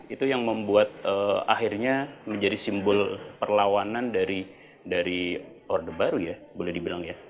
itu yang membuat akhirnya menjadi simbol perlawanan dari orde baru ya boleh dibilang ya